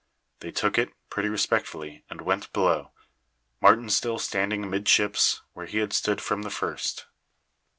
They took it, pretty respectfully, and went below, Martin still standing amidships, where he had stood from the first.